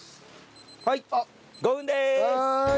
はい５分です。